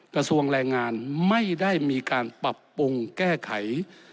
กระทรวงแรงงานไม่ได้มีการปรับปรุงแก้ไข